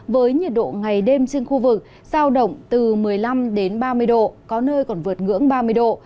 với nhiệt độ ngày đêm trên khu vực giao động từ một mươi năm đến ba mươi độ có nơi còn vượt ngưỡng ba mươi độ